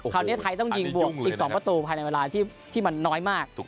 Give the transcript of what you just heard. คราวนี้ไทยต้องยิงบวกอีก๒ประตูภายในเวลาที่มันน้อยมาก